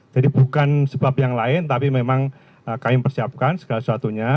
jadi bukan sebab yang lain tapi memang kami persiapkan segala sesuatunya